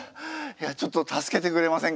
いやちょっと助けてくれませんか？